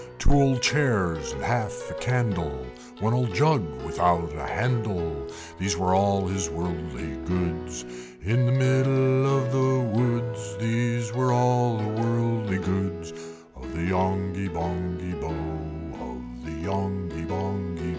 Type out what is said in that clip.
Two old chairs, and half a candle, One old jug without a handle, These were all his worldly goods: In the middle of the woods, These were all the worldly goods Of the Yonghy Bonghy Bò, Of the Yonghy Bonghy Bò.